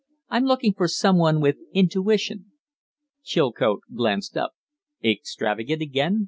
I'm looking for some one with intuition." Chilcote glanced up. "Extravagant again?"